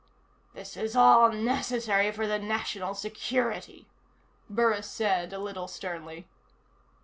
"This is all necessary for the national security," Burris said, a little sternly.